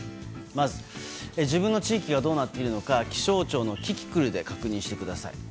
まず、自分の地域がどうなっているのか、気象庁のキキクルで確認してください。